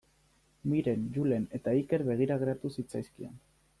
Miren, Julen eta Iker begira geratu zitzaizkion.